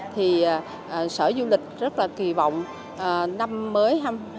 thì sở du lịch rất là kỳ vọng năm mới hai nghìn một mươi chín